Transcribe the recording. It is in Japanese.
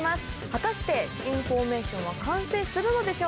果たして新フォーメーションは完成するのでしょうか。